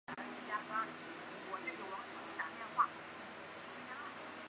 食管憩室主要影响成年人。